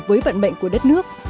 với vận bệnh của đất nước